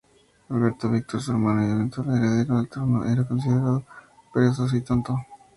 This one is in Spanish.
Alberto Víctor, su hermano y eventual heredero al trono, era considerado perezoso y tonto.